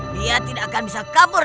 dia tidak akan bisa kabur